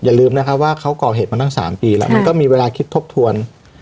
อย่าลืมนะคะต้องรวมเกาะเห็นตั้ง๓ปีแล้วมันก็มีเวลาธบถ้วน